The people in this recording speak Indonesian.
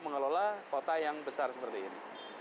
mengelola kota yang besar seperti ini